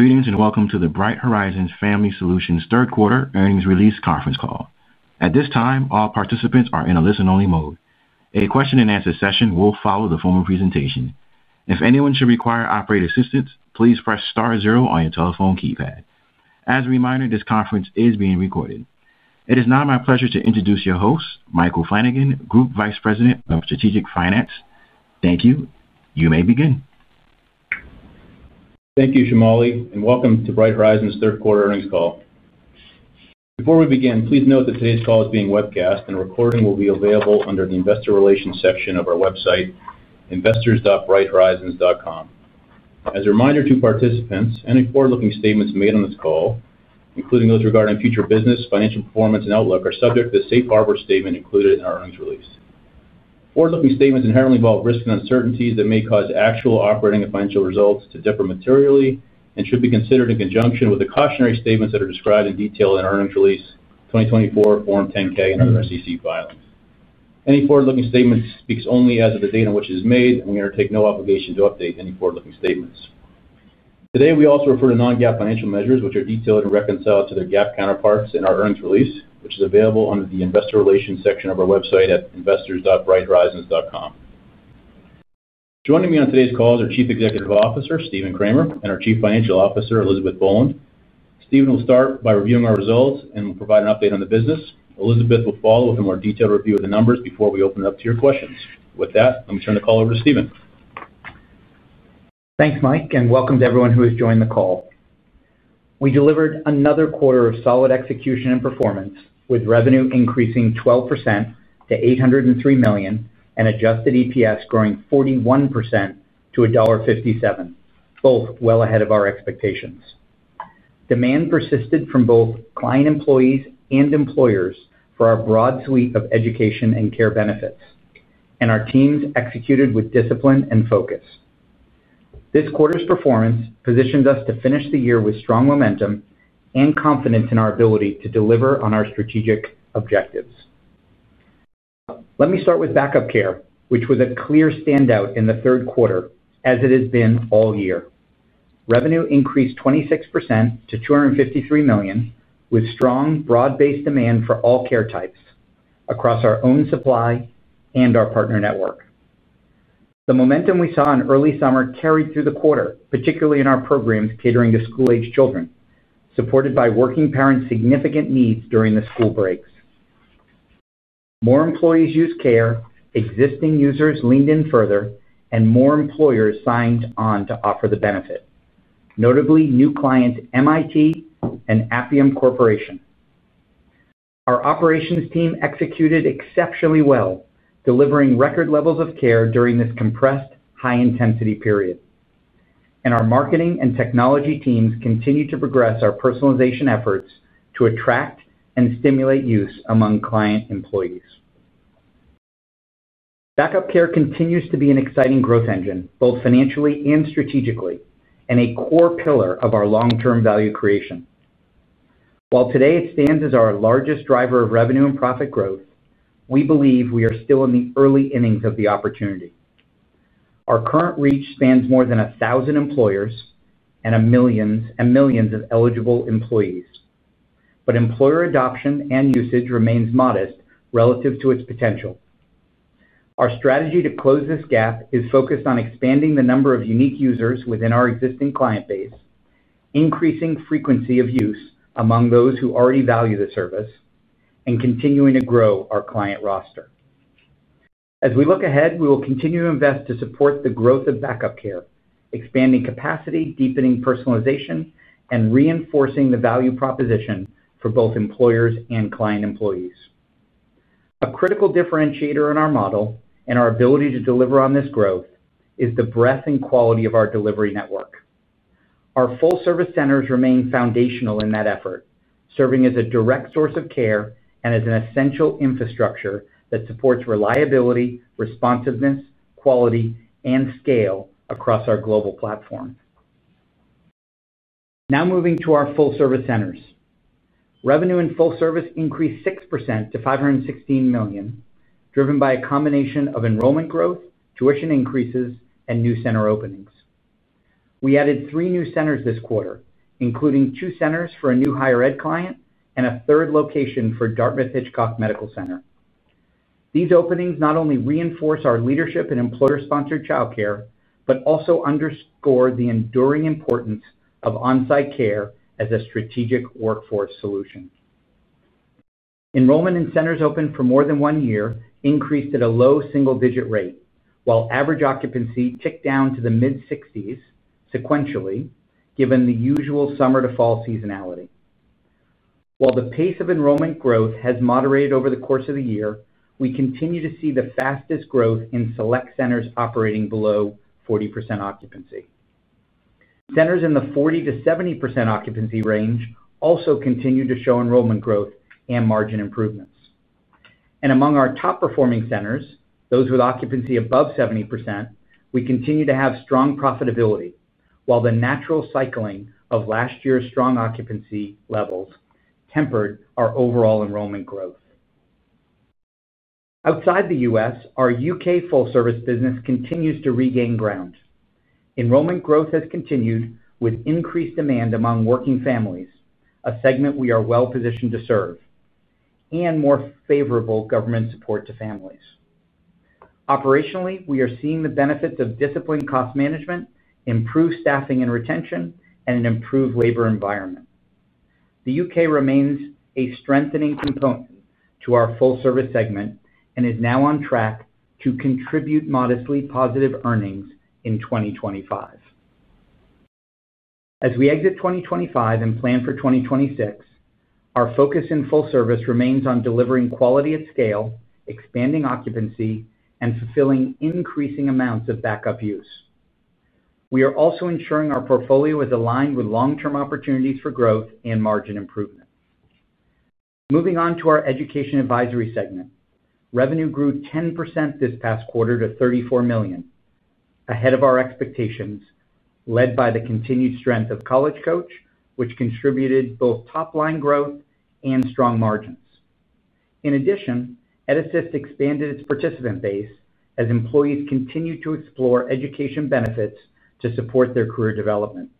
Greetings and welcome to the Bright Horizons Family Solutions third quarter earnings release conference call. At this time, all participants are in a listen-only mode. A question-and-answer session will follow the formal presentation. If anyone should require operator assistance, please press star zero on your telephone keypad. As a reminder, this conference is being recorded. It is now my pleasure to introduce your host, Michael Flanagan, Group Vice President of Strategic Finance. Thank you. You may begin. Thank you, Shamali, and welcome to Bright Horizons third quarter earnings call. Before we begin, please note that today's call is being webcast and a recording will be available under the Investor Relations section of our website, investors.brighthorizons.com. As a reminder to participants, any forward-looking statements made on this call, including those regarding future business, financial performance, and outlook, are subject to the safe harbor statement included in our earnings release. Forward-looking statements inherently involve risks and uncertainties that may cause actual operating and financial results to differ materially and should be considered in conjunction with the cautionary statements that are described in detail in our earnings release, 2024 Form 10-K, and other SEC filings. Any forward-looking statement speaks only as of the date on which it is made, and we undertake no obligation to update any forward-looking statements. Today, we also refer to non-GAAP financial measures, which are detailed and reconciled to their GAAP counterparts in our earnings release, which is available under the Investor Relations section of our website at investors.brighthorizons.com. Joining me on today's call is our Chief Executive Officer, Stephen Kramer, and our Chief Financial Officer, Elizabeth Boland. Stephen will start by reviewing our results and will provide an update on the business. Elizabeth will follow with a more detailed review of the numbers before we open it up to your questions. With that, let me turn the call over to Stephen. Thanks, Mike, and welcome to everyone who has joined the call. We delivered another quarter of solid execution and performance, with revenue increasing 12% to $803 million and Adjusted EPS growing 41% to $1.57, both well ahead of our expectations. Demand persisted from both client employees and employers for our broad suite of education and care benefits, and our teams executed with discipline and focus. This quarter's performance positions us to finish the year with strong momentum and confidence in our ability to deliver on our strategic objectives. Let me start with Back-Up Care, which was a clear standout in the third quarter as it has been all year. Revenue increased 26% to $253 million, with strong broad-based demand for all care types across our own supply and our partner network. The momentum we saw in early summer carried through the quarter, particularly in our programs catering to school-aged children, supported by working parents' significant needs during the school breaks. More employees used care, existing users leaned in further, and more employers signed on to offer the benefit, notably new clients MIT and Atrium Corporation. Our operations team executed exceptionally well, delivering record levels of care during this compressed high-intensity period. Our marketing and technology teams continue to progress our personalization efforts to attract and stimulate use among client employees. Back-Up Care continues to be an exciting growth engine, both financially and strategically, and a core pillar of our long-term value creation. While today it stands as our largest driver of revenue and profit growth, we believe we are still in the early innings of the opportunity. Our current reach spans more than 1,000 employers and millions and millions of eligible employees, but employer adoption and usage remains modest relative to its potential. Our strategy to close this gap is focused on expanding the number of unique users within our existing client base, increasing frequency of use among those who already value the service, and continuing to grow our client roster. As we look ahead, we will continue to invest to support the growth of Back-Up Care, expanding capacity, deepening personalization, and reinforcing the value proposition for both employers and client employees. A critical differentiator in our model and our ability to deliver on this growth is the breadth and quality of our delivery network. Our full-service centers remain foundational in that effort, serving as a direct source of care and as an essential infrastructure that supports reliability, responsiveness, quality, and scale across our global platform. Now moving to our full-service centers. Revenue in full-service increased 6% to $516 million, driven by a combination of enrollment growth, tuition increases, and new center openings. We added three new centers this quarter, including two centers for a new higher-ed client and a third location for Dartmouth-Hitchcock Medical Center. These openings not only reinforce our leadership in employer-sponsored child care but also underscore the enduring importance of on-site care as a strategic workforce solution. Enrollment in centers open for more than one year increased at a low single-digit rate, while average occupancy ticked down to the mid-60% sequentially, given the usual summer-to-fall seasonality. While the pace of enrollment growth has moderated over the course of the year, we continue to see the fastest growth in select centers operating below 40% occupancy. Centers in the 40%-70% occupancy range also continue to show enrollment growth and margin improvements. Among our top-performing centers, those with occupancy above 70%, we continue to have strong profitability, while the natural cycling of last year's strong occupancy levels tempered our overall enrollment growth. Outside the U.S., our U.K. full-service business continues to regain ground. Enrollment growth has continued with increased demand among working families, a segment we are well-positioned to serve, and more favorable government support to families. Operationally, we are seeing the benefits of disciplined cost management, improved staffing and retention, and an improved labor environment. The U.K. remains a strengthening component to our full-service segment and is now on track to contribute modestly positive earnings in 2025. As we exit 2025 and plan for 2026, our focus in full-service remains on delivering quality at scale, expanding occupancy, and fulfilling increasing amounts of backup use. We are also ensuring our portfolio is aligned with long-term opportunities for growth and margin improvement. Moving on to our education advisory segment, revenue grew 10% this past quarter to $34 million, ahead of our expectations, led by the continued strength of College Coach, which contributed both top-line growth and strong margins. In addition, EdAssist expanded its participant base as employees continued to explore education benefits to support their career development.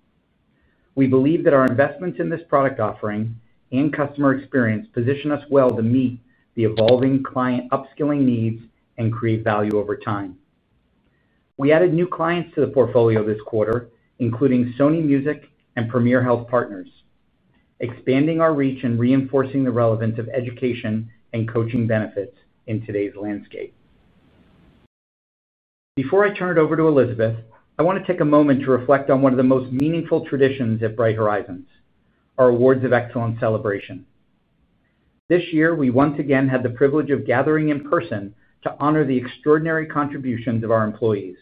We believe that our investments in this product offering and customer experience position us well to meet the evolving client upskilling needs and create value over time. We added new clients to the portfolio this quarter, including Sony Music and Premier Health Partners, expanding our reach and reinforcing the relevance of education and coaching benefits in today's landscape. Before I turn it over to Elizabeth, I want to take a moment to reflect on one of the most meaningful traditions at Bright Horizons, our Awards of Excellence celebration. This year, we once again had the privilege of gathering in person to honor the extraordinary contributions of our employees.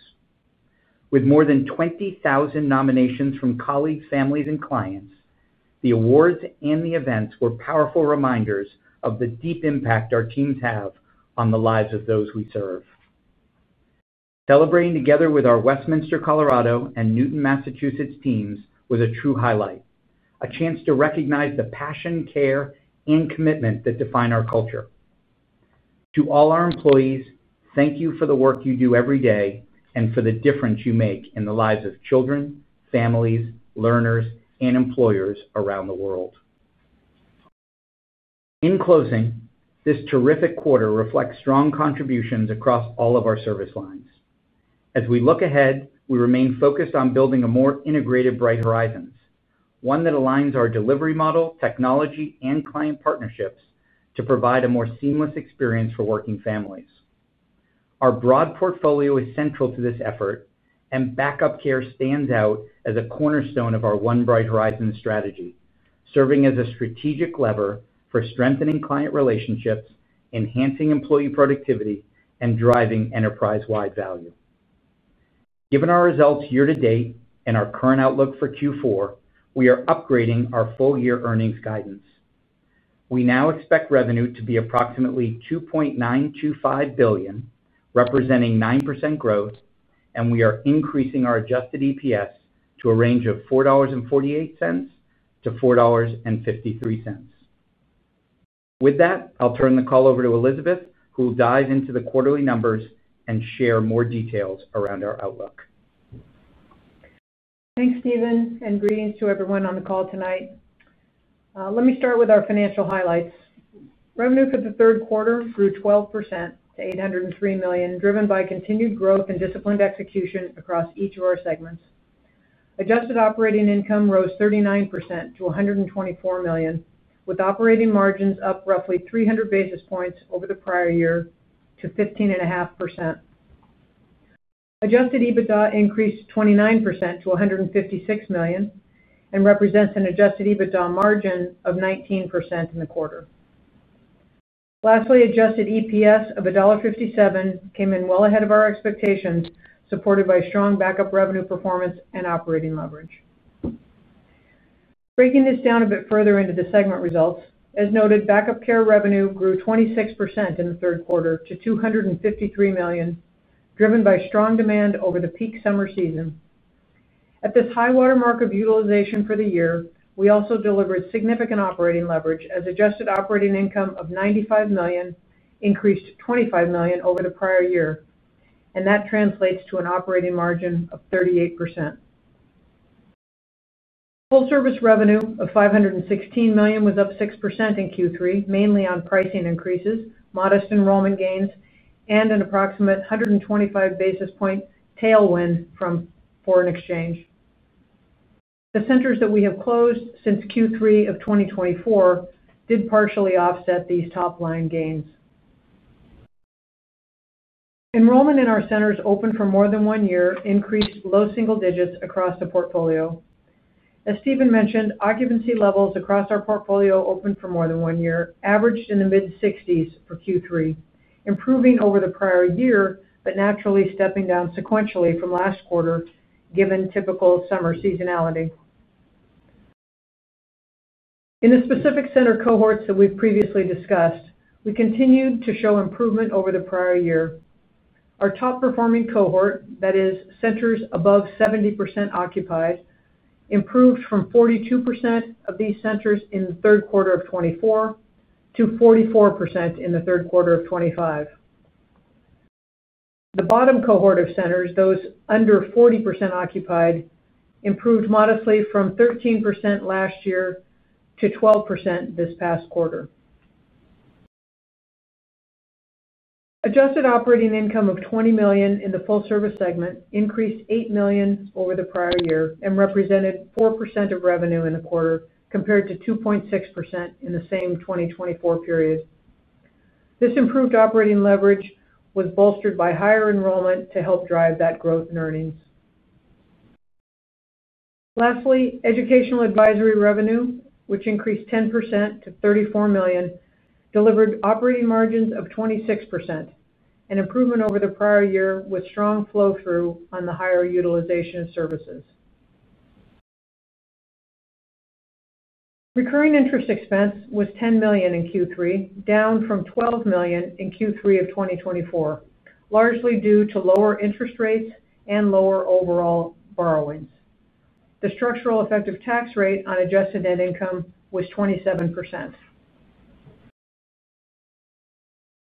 With more than 20,000 nominations from colleagues, families, and clients, the awards and the events were powerful reminders of the deep impact our teams have on the lives of those we serve. Celebrating together with our Westminster, Colorado, and Newton, Massachusetts teams was a true highlight, a chance to recognize the passion, care, and commitment that define our culture. To all our employees, thank you for the work you do every day and for the difference you make in the lives of children, families, learners, and employers around the world. In closing, this terrific quarter reflects strong contributions across all of our service lines. As we look ahead, we remain focused on building a more integrated Bright Horizons, one that aligns our delivery model, technology, and client partnerships to provide a more seamless experience for working families. Our broad portfolio is central to this effort, and Back-Up Care stands out as a cornerstone of our One Bright Horizons strategy, serving as a strategic lever for strengthening client relationships, enhancing employee productivity, and driving enterprise-wide value. Given our results year to date and our current outlook for Q4, we are upgrading our full-year earnings guidance. We now expect revenue to be approximately $2.925 billion, representing 9% growth, and we are increasing our Adjusted EPS to a range of $4.48-$4.53. With that, I'll turn the call over to Elizabeth, who will dive into the quarterly numbers and share more details around our outlook. Thanks, Stephen, and greetings to everyone on the call tonight. Let me start with our financial highlights. Revenue for the third quarter grew 12% to $803 million, driven by continued growth and disciplined execution across each of our segments. Adjusted operating income rose 39% to $124 million, with operating margins up roughly 300 basis points over the prior year to 15.5%. Adjusted EBITDA increased 29% to $156 million and represents an Adjusted EBITDA margin of 19% in the quarter. Lastly, Adjusted EPS of $1.57 came in well ahead of our expectations, supported by strong Back-Up Care revenue performance and operating leverage. Breaking this down a bit further into the segment results, as noted, Back-Up Care revenue grew 26% in the third quarter to $253 million, driven by strong demand over the peak summer season. At this high-water mark of utilization for the year, we also delivered significant operating leverage, as adjusted operating income of $95 million increased $25 million over the prior year, and that translates to an operating margin of 38%. Full-service revenue of $516 million was up 6% in Q3, mainly on pricing increases, modest enrollment gains, and an approximate 125 basis point tailwind from foreign exchange. The centers that we have closed since Q3 of 2024 did partially offset these top-line gains. Enrollment in our centers open for more than one year increased low single digits across the portfolio. As Stephen mentioned, occupancy levels across our portfolio open for more than one year averaged in the mid-60s for Q3, improving over the prior year but naturally stepping down sequentially from last quarter, given typical summer seasonality. In the specific center cohorts that we've previously discussed, we continued to show improvement over the prior year. Our top-performing cohort, that is, centers above 70% occupied, improved from 42% of these centers in the third quarter of 2024 to 44% in the third quarter of 2025. The bottom cohort of centers, those under 40% occupied, improved modestly from 13% last year to 12% this past quarter. Adjusted operating income of $20 million in the full-service segment increased $8 million over the prior year and represented 4% of revenue in the quarter, compared to 2.6% in the same 2024 period. This improved operating leverage was bolstered by higher enrollment to help drive that growth in earnings. Lastly, education advisory revenue, which increased 10% to $34 million, delivered operating margins of 26%, an improvement over the prior year with strong flow-through on the higher utilization of services. Recurring interest expense was $10 million in Q3, down from $12 million in Q3 of 2024, largely due to lower interest rates and lower overall borrowings. The structural effective tax rate on adjusted net income was 27%.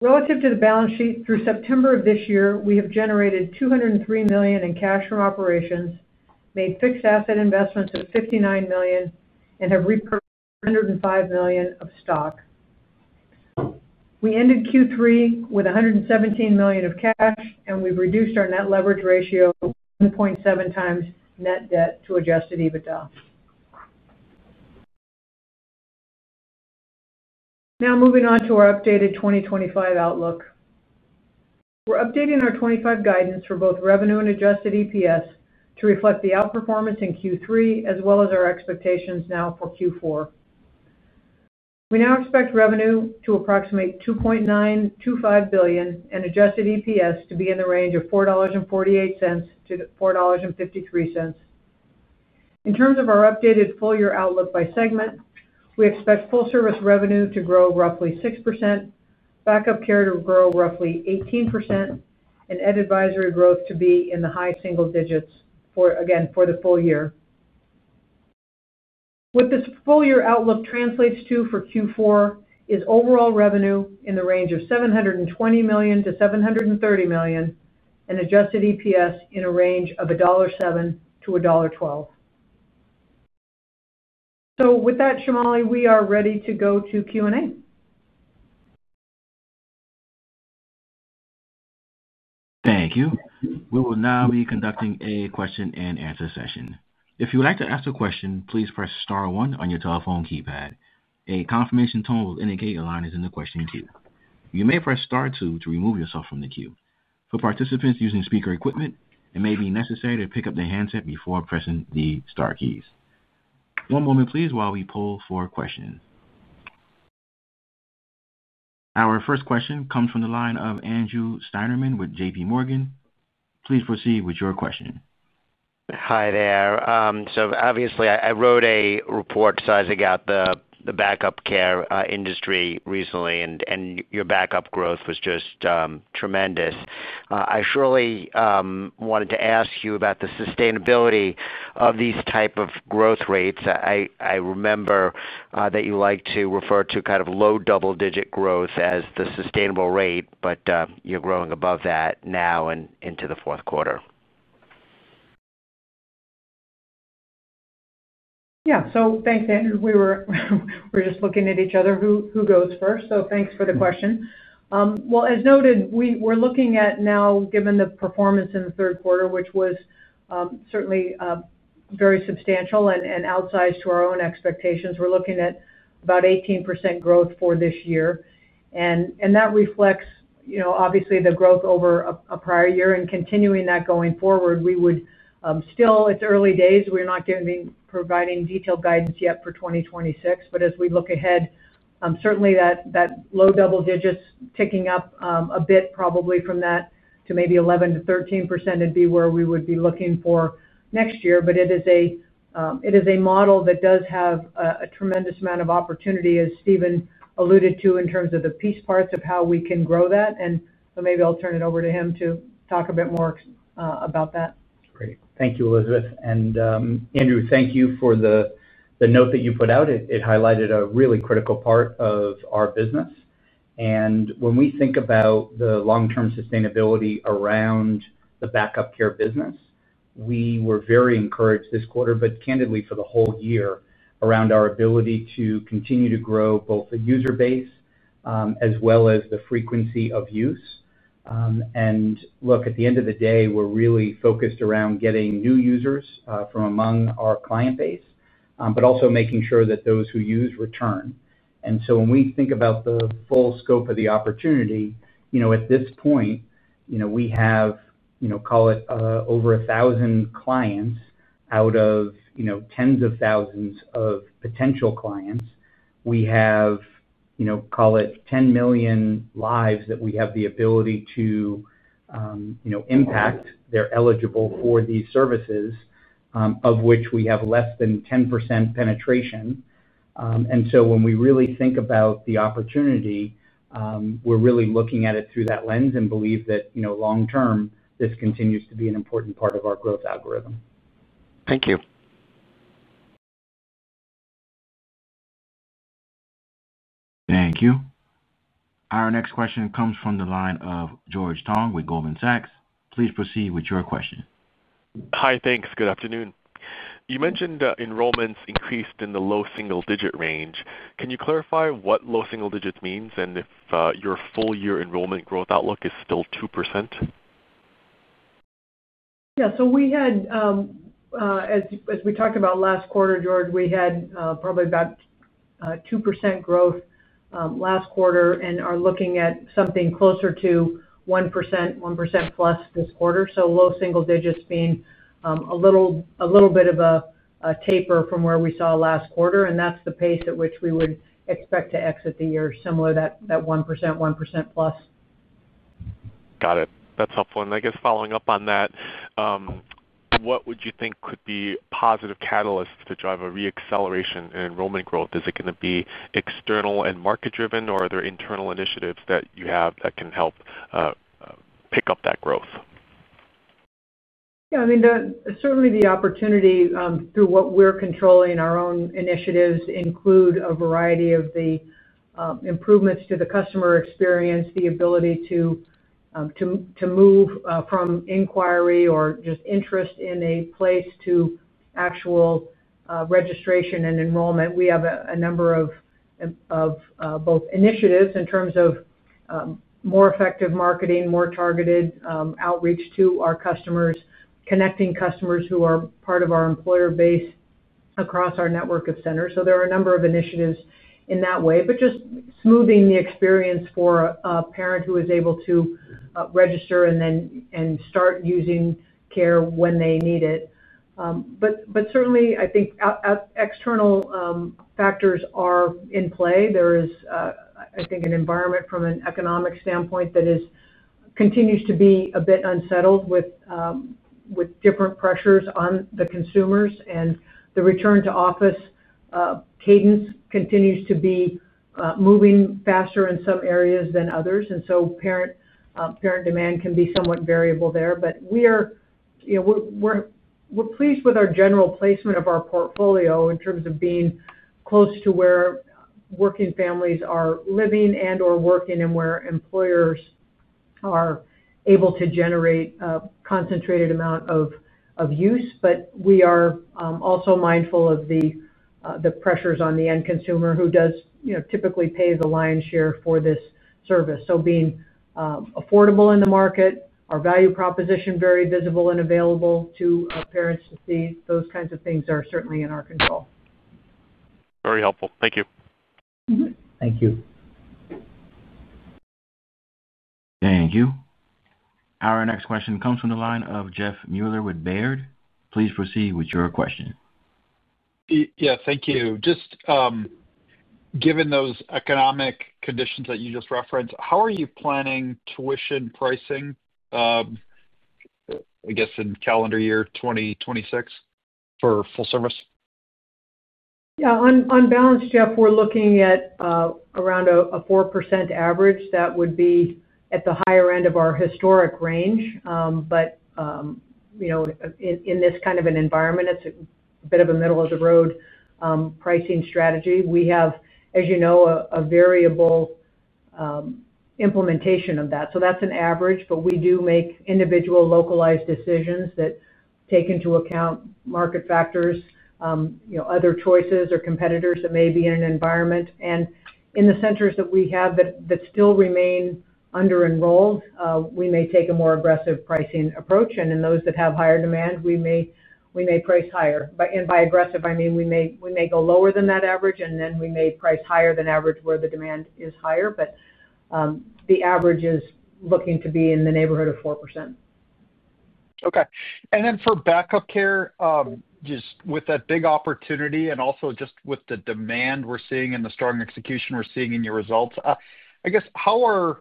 Relative to the balance sheet, through September of this year, we have generated $203 million in cash from operations, made fixed asset investments of $59 million, and have repurchased $105 million of stock. We ended Q3 with $117 million of cash, and we've reduced our net leverage ratio 1.7x net debt to Adjusted EBITDA. Now moving on to our updated 2025 outlook. We're updating our 2025 guidance for both revenue and Adjusted EPS to reflect the outperformance in Q3, as well as our expectations now for Q4. We now expect revenue to approximate $2.925 billion and Adjusted EPS to be in the range of $4.48-$4.53. In terms of our updated full-year outlook by segment, we expect full-service revenue to grow roughly 6%, Back-Up Care to grow roughly 18%, and education advisory growth to be in the high single digits, again, for the full year. What this full-year outlook translates to for Q4 is overall revenue in the range of $720 million-$730 million and Adjusted EPS in a range of $1.07-$1.12. Shamali, we are ready to go to Q&A. Thank you. We will now be conducting a question-and-answer session. If you would like to ask a question, please press star one on your telephone keypad. A confirmation tone will indicate your line is in the question queue. You may press star two to remove yourself from the queue. For participants using speaker equipment, it may be necessary to pick up their handset before pressing the star keys. One moment, please, while we pull for questions. Our first question comes from the line of Andrew Steinerman with JPMorgan. Please proceed with your question. Hi there. I wrote a report sizing out the Back-Up Care industry recently, and your Back-Up growth was just tremendous. I wanted to ask you about the sustainability of these types of growth rates. I remember that you like to refer to kind of low double-digit growth as the sustainable rate, but you're growing above that now and into the fourth quarter. Yeah, thanks, Andrew. We were just looking at each other, who goes first. Thanks for the question. As noted, we're looking at now, given the performance in the third quarter, which was certainly very substantial and outsized to our own expectations, we're looking at about 18% growth for this year. That reflects, obviously, the growth over a prior year. Continuing that going forward, we would still—it's early days. We're not going to be providing detailed guidance yet for 2026. As we look ahead, certainly that low double digits, ticking up a bit probably from that to maybe 11%-13%, would be where we would be looking for next year. It is a model that does have a tremendous amount of opportunity, as Stephen alluded to, in terms of the piece parts of how we can grow that. Maybe I'll turn it over to him to talk a bit more about that. Great. Thank you, Elizabeth. Andrew, thank you for the note that you put out. It highlighted a really critical part of our business. When we think about the long-term sustainability around the Back-Up Care business, we were very encouraged this quarter, but candidly, for the whole year, around our ability to continue to grow both the user base as well as the frequency of use. At the end of the day, we're really focused around getting new users from among our client base, but also making sure that those who use return. When we think about the full scope of the opportunity, at this point, we have, call it, over 1,000 clients out of tens of thousands of potential clients. We have, call it, 10 million lives that we have the ability to impact that are eligible for these services, of which we have less than 10% penetration. When we really think about the opportunity, we're really looking at it through that lens and believe that long-term, this continues to be an important part of our growth algorithm. Thank you. Thank you. Our next question comes from the line of George Tong with Goldman Sachs. Please proceed with your question. Hi, thanks. Good afternoon. You mentioned enrollments increased in the low single-digit range. Can you clarify what low single digits means, and if your full-year enrollment growth outlook is still 2%? Yeah, as we talked about last quarter, George, we had probably about 2% growth last quarter and are looking at something closer to 1%, 1%+ this quarter. Low single digits being a little bit of a taper from where we saw last quarter, and that's the pace at which we would expect to exit the year, similar to that 1%, 1%+. Got it. That's helpful. I guess following up on that, what would you think could be positive catalysts to drive a re-acceleration in enrollment growth? Is it going to be external and market-driven, or are there internal initiatives that you have that can help pick up that growth? Yeah. I mean, certainly the opportunity through what we're controlling, our own initiatives, include a variety of improvements to the customer experience, the ability to move from inquiry or just interest in a place to actual registration and enrollment. We have a number of both initiatives in terms of more effective marketing, more targeted outreach to our customers, connecting customers who are part of our employer base across our network of centers. There are a number of initiatives in that way, just smoothing the experience for a parent who is able to register and then start using care when they need it. Certainly, I think external factors are in play. There is, I think, an environment from an economic standpoint that continues to be a bit unsettled with different pressures on the consumers. The return-to-office cadence continues to be moving faster in some areas than others, so parent demand can be somewhat variable there. We're pleased with our general placement of our portfolio in terms of being close to where working families are living and/or working and where employers are able to generate a concentrated amount of use. We are also mindful of the pressures on the end consumer who does typically pay the lion's share for this service. Being affordable in the market, our value proposition very visible and available to parents to see, those kinds of things are certainly in our control. Very helpful. Thank you. Thank you. Thank you. Our next question comes from the line of Jeff Meuler with Baird. Please proceed with your question. Thank you. Given those economic conditions that you just referenced, how are you planning tuition pricing, I guess, in calendar year 2026 for full-service? Yeah. On balance, Jeff, we're looking at around a 4% average. That would be at the higher end of our historic range. In this kind of an environment, it's a bit of a middle-of-the-road pricing strategy. We have, as you know, a variable implementation of that, so that's an average. We do make individual localized decisions that take into account market factors, other choices, or competitors that may be in an environment. In the centers that we have that still remain under-enrolled, we may take a more aggressive pricing approach. In those that have higher demand, we may price higher. By aggressive, I mean we may go lower than that average, and then we may price higher than average where the demand is higher. The average is looking to be in the neighborhood of 4%. Okay. For Back-Up Care, just with that big opportunity and also just with the demand we're seeing and the strong execution we're seeing in your results, I guess, how are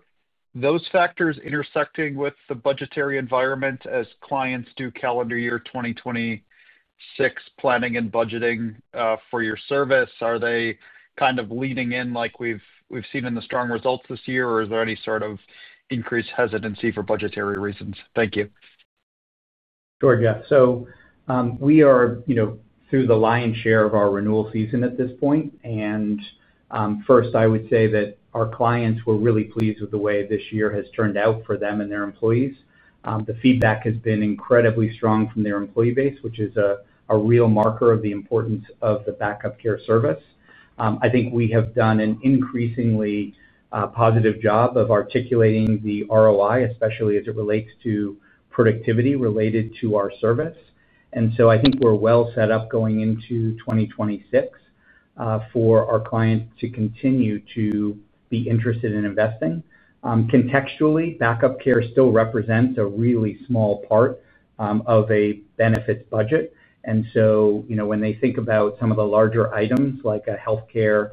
those factors intersecting with the budgetary environment as clients do calendar year 2026 planning and budgeting for your service? Are they kind of leading in like we've seen in the strong results this year, or is there any sort of increased hesitancy for budgetary reasons? Thank you. George, yeah. We are through the lion's share of our renewal season at this point. First, I would say that our clients were really pleased with the way this year has turned out for them and their employees. The feedback has been incredibly strong from their employee base, which is a real marker of the importance of the Back-Up Care service. I think we have done an increasingly positive job of articulating the ROI, especially as it relates to productivity related to our service. I think we're well set up going into 2026 for our clients to continue to be interested in investing. Contextually, Back-Up Care still represents a really small part of a benefits budget. When they think about some of the larger items like healthcare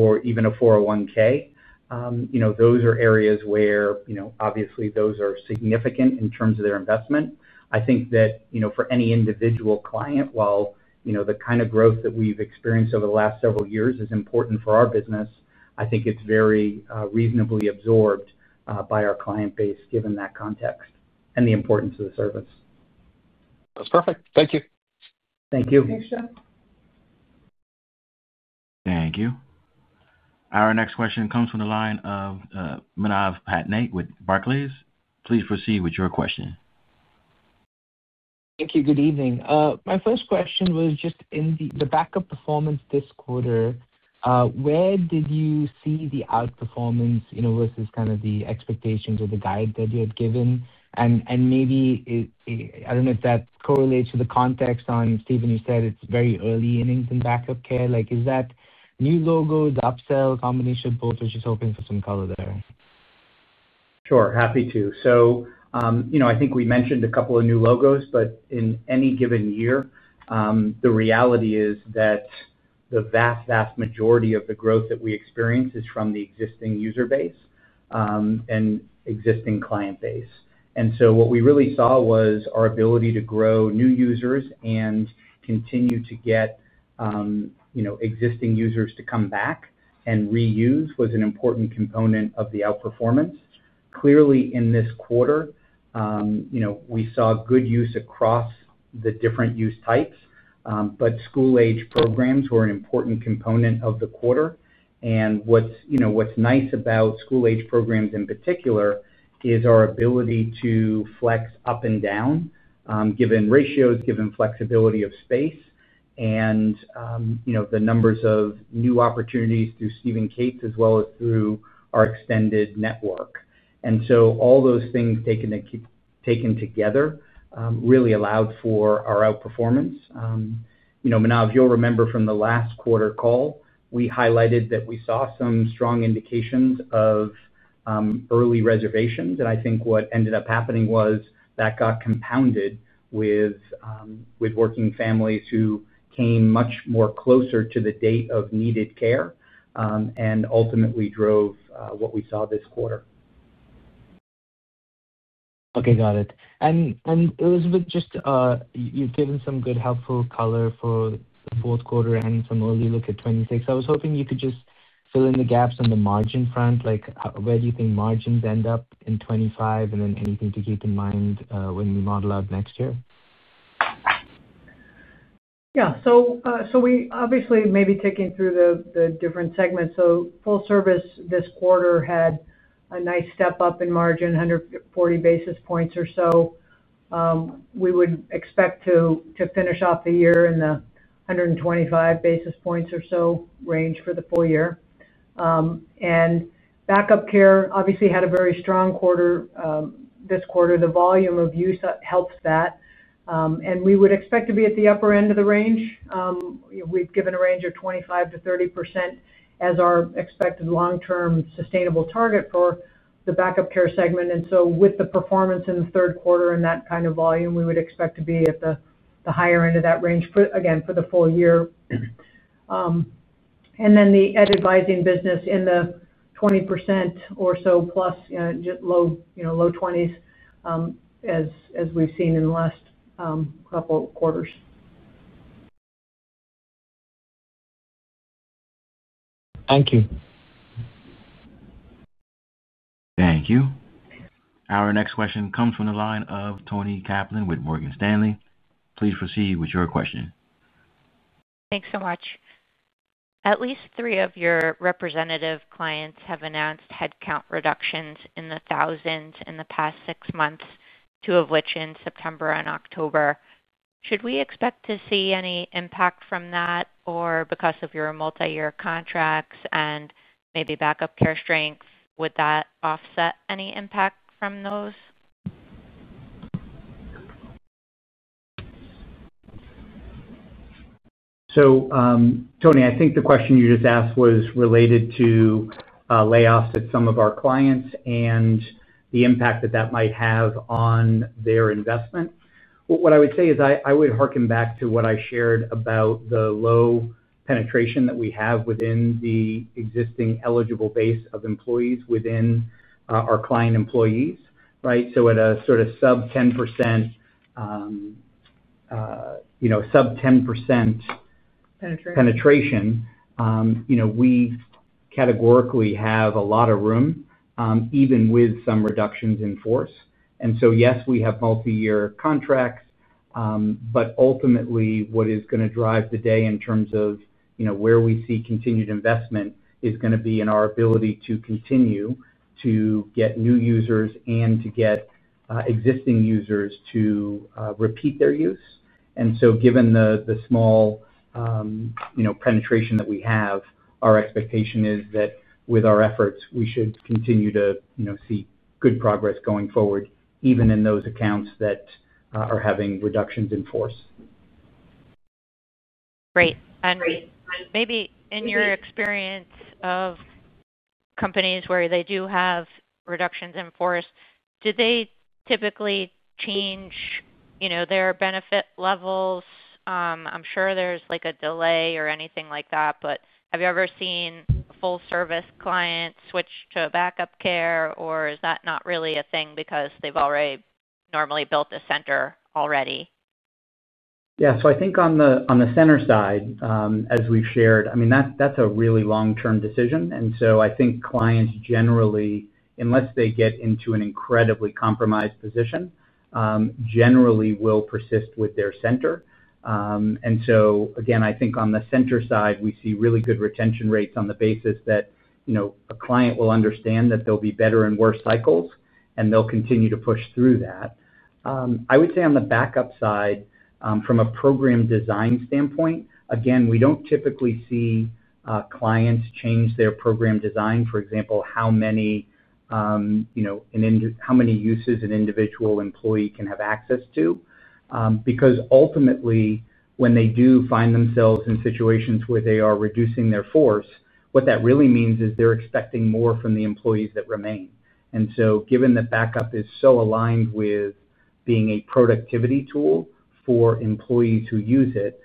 or even a 401(k), those are areas where, obviously, those are significant in terms of their investment. I think that for any individual client, while the kind of growth that we've experienced over the last several years is important for our business, I think it's very reasonably absorbed by our client base given that context and the importance of the service. That's perfect. Thank you. Thank you. Thanks, Jeff. Thank you. Our next question comes from the lfulline of [Menai Patnett] with Barclays. Please proceed with your question. Thank you. Good evening. My first question was just in the Back-Up performance this quarter. Where did you see the outperformance versus the expectations or the guide that you had given? I don't know if that correlates to the context on Stephen. You said it's very early innings in Back-Up Care. Is that new logos, upsell, combination of both? We're just hoping for some color there. Sure. Happy to. I think we mentioned a couple of new logos, but in any given year, the reality is that the vast, vast majority of the growth that we experience is from the existing user base and existing client base. What we really saw was our ability to grow new users and continue to get existing users to come back and reuse was an important component of the outperformance. Clearly, in this quarter, we saw good use across the different use types. School-age programs were an important component of the quarter. What's nice about school-age programs in particular is our ability to flex up and down, given ratios, given flexibility of space, and the numbers of new opportunities through Steve & Kate's as well as through our extended network. All those things taken together really allowed for our outperformance. Menai, if you'll remember from the last quarter call, we highlighted that we saw some strong indications of early reservations. I think what ended up happening was that got compounded with working families who came much more closer to the date of needed care and ultimately drove what we saw this quarter. Okay. Got it. Elizabeth, you've given some good helpful color for both quarter and some early look at 2026. I was hoping you could just fill in the gaps on the margin front. Where do you think margins end up in 2025? Anything to keep in mind when we model out next year? Yeah. We obviously may be taking through the different segments. Full-service this quarter had a nice step up in margin, 140 basis points or so. We would expect to finish off the year in the 125 basis points or so range for the full year. Back-Up Care, obviously, had a very strong quarter. This quarter, the volume of use helps that. We would expect to be at the upper end of the range. We've given a range of 25%-30% as our expected long-term sustainable target for the Back-Up Care segment. With the performance in the third quarter and that kind of volume, we would expect to be at the higher end of that range, again, for the full year. The advising business in the 20% or so plus, just low 20s, as we've seen in the last couple of quarters. Thank you. Thank you. Our next question comes from the line of Toni Kaplan with Morgan Stanley. Please proceed with your question. Thanks so much. At least three of your representative clients have announced headcount reductions in the thousands in the past six months, two of which in September and October. Should we expect to see any impact from that, or because of your multi-year contracts and maybe Back-Up Care strength, would that offset any impact from those? I think the question you just asked was related to layoffs at some of our clients and the impact that that might have on their investment. What I would say is I would hearken back to what I shared about the low penetration that we have within the existing eligible base of employees within our client employees, right? At a sort of sub-10% penetration, we categorically have a lot of room, even with some reductions in force. Yes, we have multi-year contracts. Ultimately, what is going to drive the day in terms of where we see continued investment is going to be in our ability to continue to get new users and to get existing users to repeat their use. Given the small penetration that we have, our expectation is that with our efforts, we should continue to see good progress going forward, even in those accounts that are having reductions in force. Great. In your experience of companies where they do have reductions in force, do they typically change their benefit levels? I'm sure there's a delay or anything like that. Have you ever seen a full-service client switch to Back-Up Care, or is that not really a thing because they've already normally built a center already? Yeah. I think on the center side, as we've shared, that's a really long-term decision. I think clients generally, unless they get into an incredibly compromised position, generally will persist with their center. I think on the center side, we see really good retention rates on the basis that a client will understand that there'll be better and worse cycles, and they'll continue to push through that. I would say on the backup side, from a program design standpoint, we don't typically see clients change their program design, for example, how many uses an individual employee can have access to. Because ultimately, when they do find themselves in situations where they are reducing their force, what that really means is they're expecting more from the employees that remain. Given that Back-Up is so aligned with being a productivity tool for employees who use it,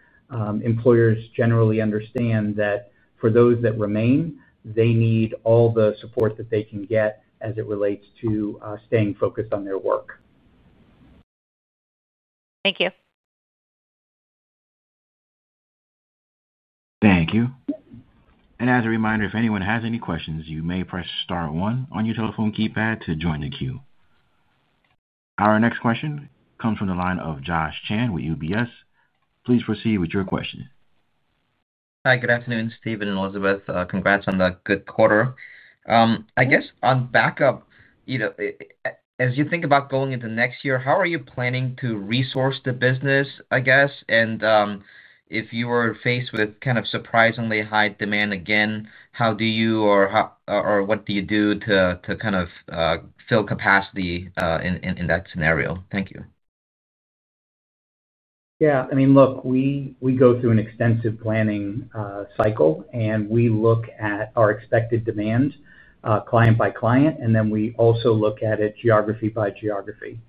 employers generally understand that for those that remain, they need all the support that they can get as it relates to staying focused on their work. Thank you. Thank you. As a reminder, if anyone has any questions, you may press star one on your telephone keypad to join the queue. Our next question comes from the line of Josh Chan with UBS. Please proceed with your question. Hi. Good afternoon, Stephen and Elizabeth. Congrats on the good quarter. I guess on Back-Up, as you think about going into next year, how are you planning to resource the business? If you were faced with kind of surprisingly high demand again, how do you or what do you do to kind of fill capacity in that scenario? Thank you. Yeah. I mean, look, we go through an extensive planning cycle, and we look at our expected demand client by client. We also look at it geography by geography.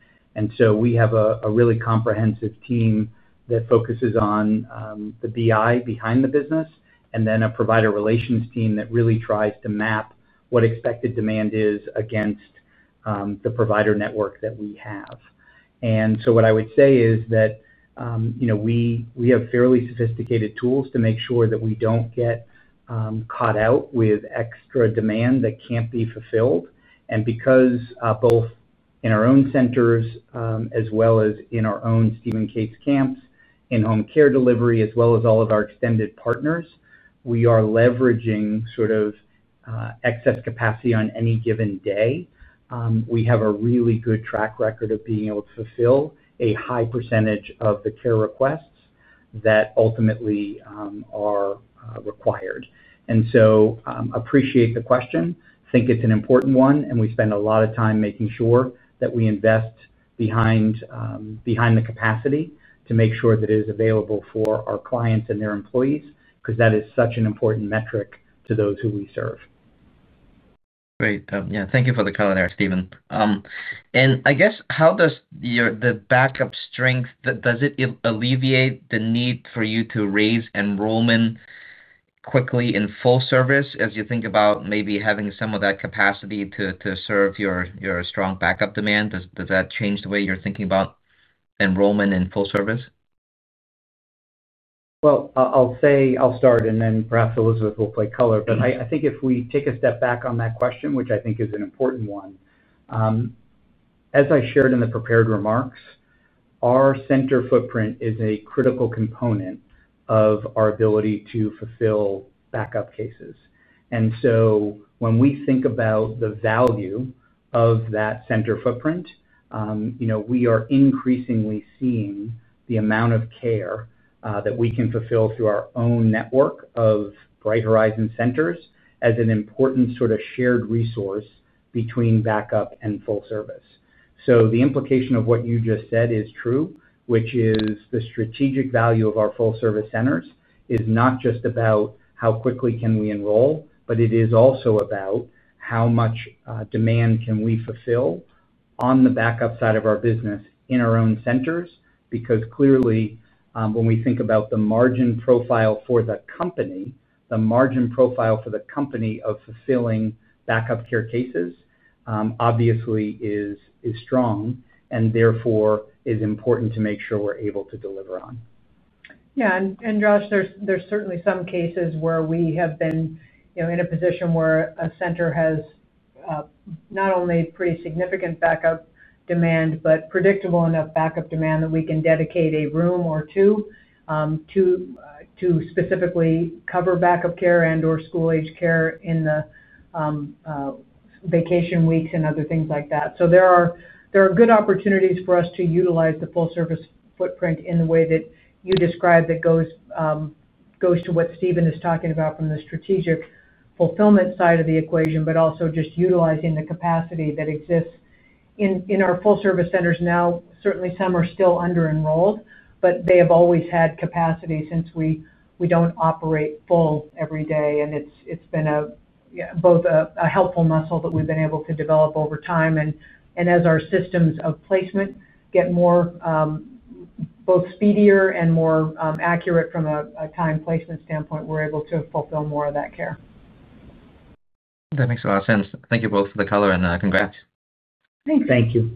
We have a really comprehensive team that focuses on the BI behind the business, and then a provider relations team that really tries to map what expected demand is against the provider network that we have. What I would say is that we have fairly sophisticated tools to make sure that we don't get caught out with extra demand that can't be fulfilled. Because both in our own centers as well as in our own Steve & Kate's Camp, in home care delivery, as well as all of our extended partners, we are leveraging sort of excess capacity on any given day. We have a really good track record of being able to fulfill a high percentage of the care requests that ultimately are required. I appreciate the question. I think it's an important one. We spend a lot of time making sure that we invest behind the capacity to make sure that it is available for our clients and their employees because that is such an important metric to those who we serve. Great. Thank you for the comment there, Stephen. I guess how does the Back-Up strength, does it alleviate the need for you to raise enrollment quickly in full-service as you think about maybe having some of that capacity to serve your strong Back-Up demand? Does that change the way you're thinking about enrollment in full-service? I’ll start, and then perhaps Elizabeth will play color. If we take a step back on that question, which I think is an important one, as I shared in the prepared remarks, our center footprint is a critical component of our ability to fulfill backup cases. When we think about the value of that center footprint, we are increasingly seeing the amount of care that we can fulfill through our own network of Bright Horizons centers as an important sort of shared resource between backup and full-service. The implication of what you just said is true, which is the strategic value of our full-service centers is not just about how quickly can we enroll, but it is also about how much demand can we fulfill on the backup side of our business in our own centers. Clearly, when we think about the margin profile for the company, the margin profile for the company of fulfilling backup care cases, obviously, is strong and therefore is important to make sure we're able to deliver on. Yeah. Josh, there are certainly some cases where we have been in a position where a center has not only pretty significant backup demand but predictable enough backup demand that we can dedicate a room or two to specifically cover Back-Up Care and/or school-age care in the vacation weeks and other things like that. There are good opportunities for us to utilize the full-service footprint in the way that you described. That goes to what Stephen is talking about from the strategic fulfillment side of the equation, but also just utilizing the capacity that exists in our full-service centers. Certainly, some are still under-enrolled, but they have always had capacity since we don't operate full every day. It's been both a helpful muscle that we've been able to develop over time, and as our systems of placement get more both speedier and more accurate from a time placement standpoint, we're able to fulfill more of that care. That makes a lot of sense. Thank you both for the color, and congrats. Thank you. Thank you.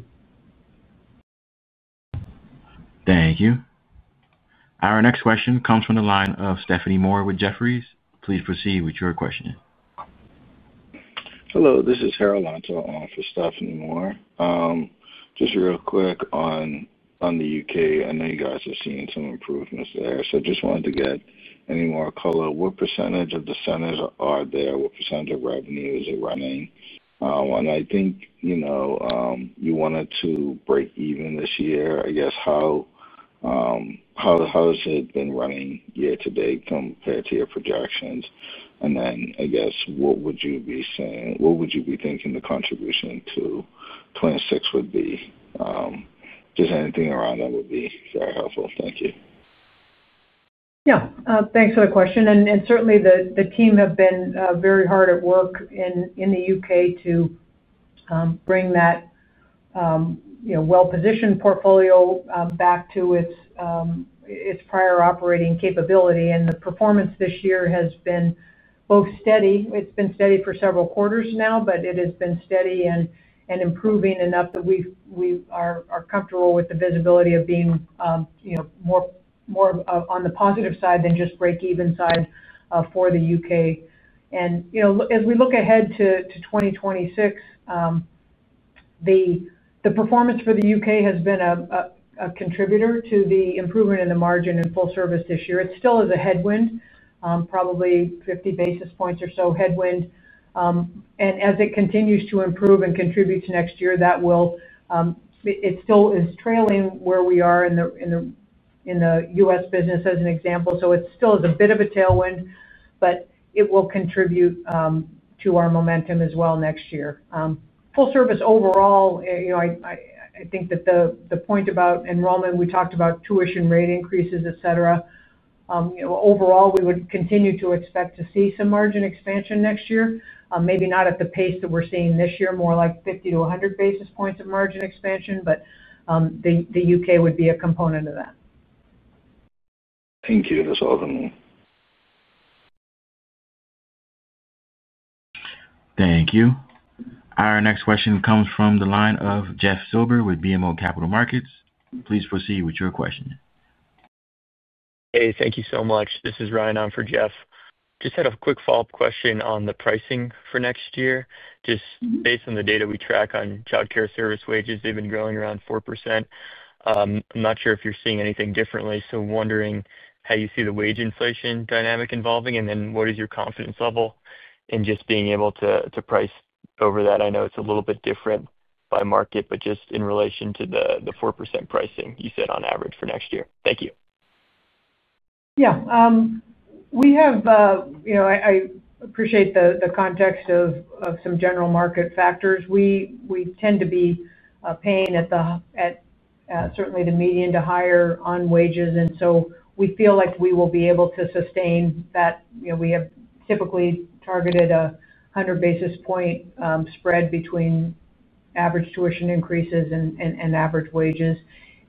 Thank you. Our next question comes from the line of Stephanie Moore with Jefferies. Please proceed with your question. Hello. This is Harold Antor on for Stephanie Moore. Just real quick on the U.K. I know you guys are seeing some improvements there. I just wanted to get any more color. What % of the centers are there? What percentage of revenue is it running? I think you wanted to break even this year. I guess how has it been running year to date compared to your projections? What would you be thinking the contribution to 2026 would be? Anything around that would be very helpful. Thank you. Thanks for the question. The team have been very hard at work in the U.K. to bring that well-positioned portfolio back to its prior operating capability. The performance this year has been steady for several quarters now, but it has been steady and improving enough that we are comfortable with the visibility of being more on the positive side than just break-even side for the U.K. As we look ahead to 2026, the performance for the U.K. has been a contributor to the improvement in the margin in full-service this year. It still is a headwind, probably 50 basis points or so headwind. As it continues to improve and contribute to next year, it still is trailing where we are in the U.S. business, as an example. It still is a bit of a tailwind, but it will contribute to our momentum as well next year. Full-service overall, I think that the point about enrollment, we talked about tuition rate increases, etc. Overall, we would continue to expect to see some margin expansion next year, maybe not at the pace that we're seeing this year, more like 50 basis points-100 basis points of margin expansion, but the U.K. would be a component of that. Thank you, Elizabeth. Thank you. Our next question comes from the line of Jeff Silber with BMO Capital Markets. Please proceed with your question. Hey, thank you so much. This is Ryan on for Jeff. Just had a quick follow-up question on the pricing for next year. Just based on the data we track on child care service wages, they've been growing around 4%. I'm not sure if you're seeing anything differently. I am wondering how you see the wage inflation dynamic evolving, and then what is your confidence level in just being able to price over that? I know it's a little bit different by market, but just in relation to the 4% pricing you said on average for next year. Thank you. Yeah, we have. I appreciate the context of some general market factors. We tend to be paying at certainly the median to higher on wages, and we feel like we will be able to sustain that. We have typically targeted a 100 basis point spread between average tuition increases and average wages,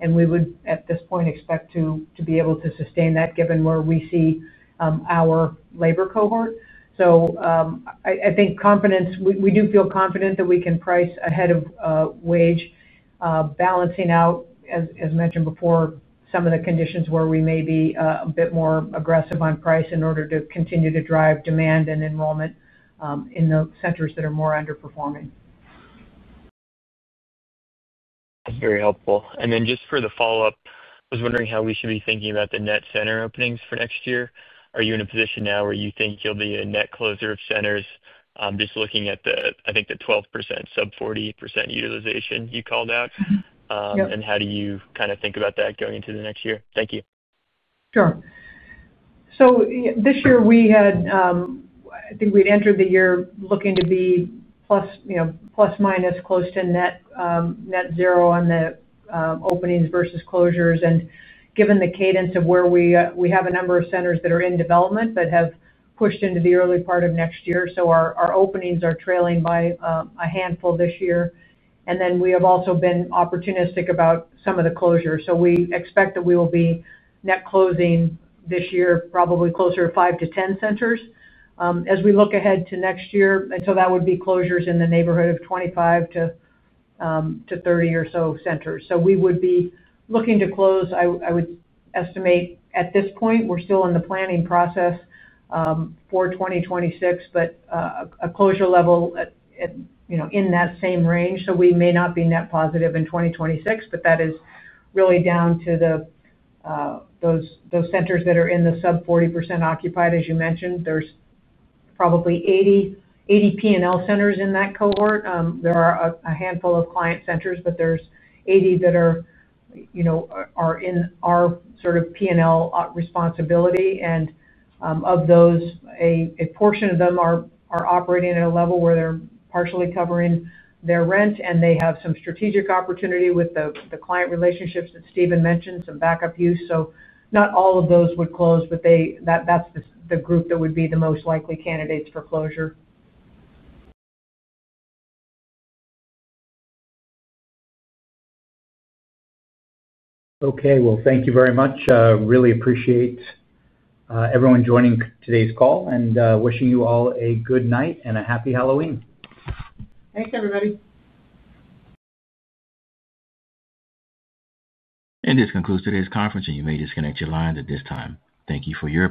and we would, at this point, expect to be able to sustain that given where we see our labor cohort. I think confidence, we do feel confident that we can price ahead of wage, balancing out, as mentioned before, some of the conditions where we may be a bit more aggressive on price in order to continue to drive demand and enrollment in the centers that are more underperforming. That's very helpful. For the follow-up, I was wondering how we should be thinking about the net center openings for next year. Are you in a position now where you think you'll be a net closer of centers just looking at the 12% sub 40% utilization you called out? How do you kind of think about that going into the next year? Thank you. Sure. This year, we had entered the year looking to be plus or minus close to net zero on the openings versus closures. Given the cadence of where we have a number of centers that are in development but have pushed into the early part of next year, our openings are trailing by a handful this year. We have also been opportunistic about some of the closures. We expect that we will be net closing this year, probably closer to 5-10 centers as we look ahead to next year. That would be closures in the neighborhood of 25-30 or so centers. We would be looking to close, I would estimate at this point, we're still in the planning process for 2026, but a closure level in that same range. We may not be net positive in 2026, but that is really down to those centers that are in the sub 40% occupied. As you mentioned, there's probably 80 P&L centers in that cohort. There are a handful of client centers, but there's 80 that are in our sort of P&L responsibility. Of those, a portion of them are operating at a level where they're partially covering their rent, and they have some strategic opportunity with the client relationships that Stephen mentioned, some backup use. Not all of those would close, but that's the group that would be the most likely candidates for closure. Thank you very much. Really appreciate everyone joining today's call and wishing you all a good night and a happy Halloween. Thanks, everybody. This concludes today's conference. You may disconnect your lines at this time. Thank you for your participation.